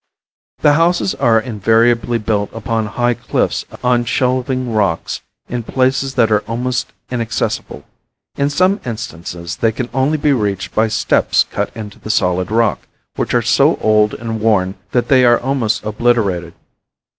The houses are invariably built upon high cliffs on shelving rocks in places that are almost inaccessible. In some instances they can only be reached by steps cut into the solid rock, which are so old and worn that they are almost obliterated.